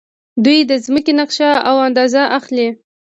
دوی د ځمکې نقشه او اندازه اخلي.